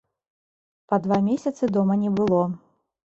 Па два месяцы дома не было.